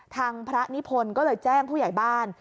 ทางพระนิพนธ์ก็เลยแจ้งผู้ใหญ่บ้าน